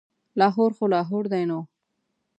لاهور خو لاهور دی نو.